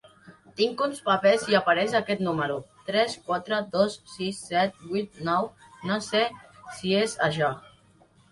Tinc uns papers i apareix aquest numero: tres quatre dos sis set vuit nou, no sé si és això.